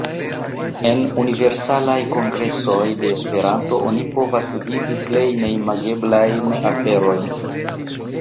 En Universalaj Kongresoj de Esperanto oni povas vidi plej neimageblajn aferojn.